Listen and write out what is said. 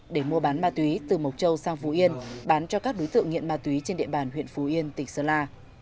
để mua bán ma túy từ mộc châu sang phú yên bán cho các đối tượng nghiện ma túy trên địa bàn huyện phú yên tỉnh sơn la